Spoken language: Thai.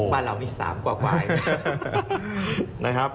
บ้านเรานี่๓กว่าควายนะครับ